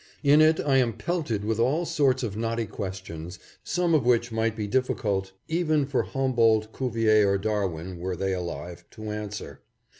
In it I am pelted with all sorts of knotty questions, some of which might be difficult even for Humboldt, Cuvier or Darwin, were they alive, to answer.